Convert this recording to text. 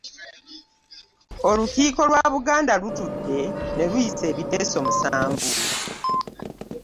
Olukiiko lwa Buganda lutudde ne luyisa ebiteeso musanvu